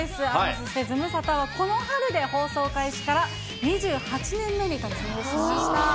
そしてズムサタはこの春で放送開始から２８年目に突入しました。